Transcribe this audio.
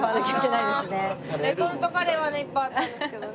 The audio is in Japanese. レトルトカレーはねいっぱいあったんですけどね。